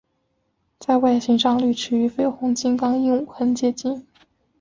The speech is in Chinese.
在外形上绿翅与绯红金刚鹦鹉很接近。